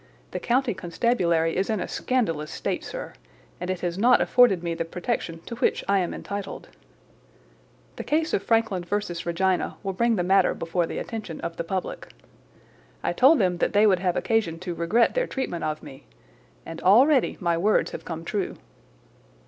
The County Constabulary is in a scandalous state, sir, and it has not afforded me the protection to which I am entitled. The case of Frankland v. Regina will bring the matter before the attention of the public. I told them that they would have occasion to regret their treatment of me, and already my words have come true."